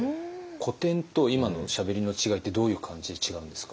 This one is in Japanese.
古典と今のしゃべりの違いってどういう感じで違うんですか？